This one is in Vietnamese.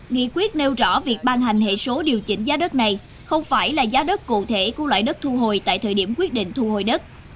nghị quyết nêu rõ việc ban hành hệ số điều chỉnh giá đất này không phải là giá đất cụ thể của loại đất thu hồi tại thời điểm quyết định thu hồi đất